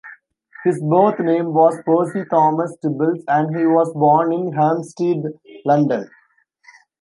His birth name was Percy Thomas Tibbles and he was born in Hampstead, London.